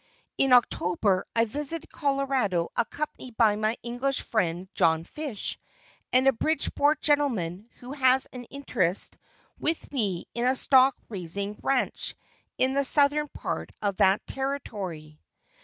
In October I visited Colorado accompanied by my English friend John Fish, and a Bridgeport gentleman who has an interest with me in a stock raising ranche in the southern part of that Territory.